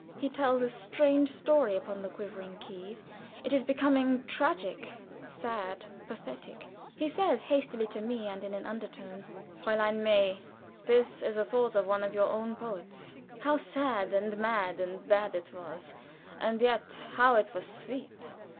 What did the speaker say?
He tells a strange story upon the quivering keys it is becoming tragic, sad, pathetic. He says hastily to me and in an under tone: "Fräulein May, this is a thought of one of your own poets: "'How sad, and mad, and bad it was, And yet how it was sweet.'"